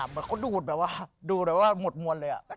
เหมือนเขาดูดแบบว่าหมดหมดเลยอะ